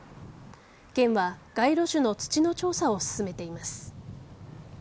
県は街路樹の土の調査を進めています。